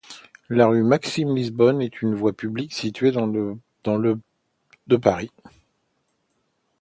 La rue Maxime-Lisbonne est une voie publique située dans le de Paris.